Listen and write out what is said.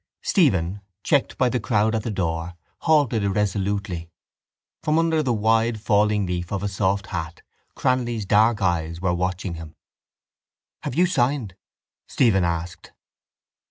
Stephen, checked by the crowd at the door, halted irresolutely. From under the wide falling leaf of a soft hat Cranly's dark eyes were watching him. —Have you signed? Stephen asked.